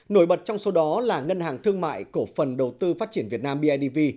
nổi bật trong số đó là ngân hàng thương mại cổ phần đầu tư phát triển việt nam bidv